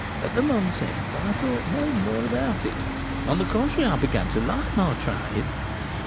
At the month's end I thought no more about it; on the contrary, I began to like my trade.